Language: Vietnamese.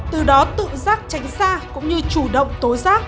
từ đó tự giác tranh sát về hệ lụy của cơ bạc